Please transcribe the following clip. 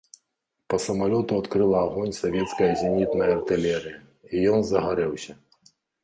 Па самалёту адкрыла агонь савецкая зенітная артылерыя, і ён загарэўся.